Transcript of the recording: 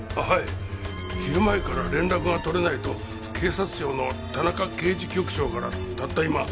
はい昼前から連絡が取れないと警察庁の田中刑事局長からたった今。